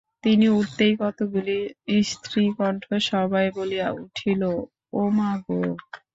তিনি উঠিতেই কতকগুলি স্ত্রীকণ্ঠ সভয়ে বলিয়া উঠিল ও মা গো!